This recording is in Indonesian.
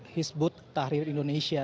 hizbut tahrir indonesia